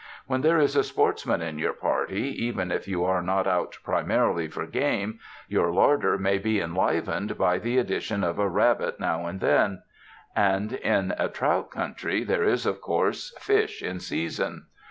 When there is a sportsman in your party, even if you are not out primarily for game, your larder may be enlivened by the addition of a rabbit now and then ; and in a trout country there is, of course, fish in 286 CAMP COOKERY season.